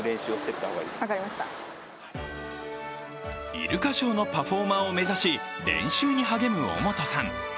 イルカショーのパフォーマーを目指し練習に励む尾本さん。